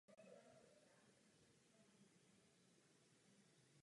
Povstalci obsadili téměř celé město.